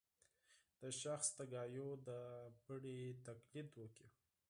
د شخص د خبرو د بڼې تقلید وکړي